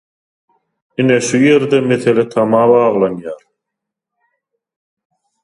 Ine şu ýerde mesele tama baglanýar.